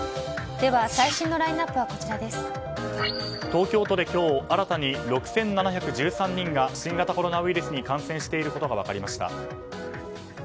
東京都で今日新たに６７１３人が新型コロナウイルスに感染していることが分かりました。